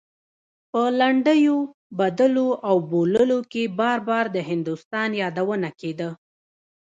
په لنډيو بدلو او بوللو کې بار بار د هندوستان يادونه کېده.